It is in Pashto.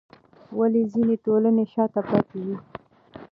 ولې ځینې ټولنې شاته پاتې دي؟